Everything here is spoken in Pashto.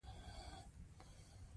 د کرم پاڼې د څه لپاره وکاروم؟